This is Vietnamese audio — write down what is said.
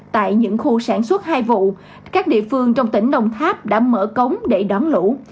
tại những khu sản xuất hai vụ các địa phương trong tỉnh đồng tháp đã mở cống để đón lũ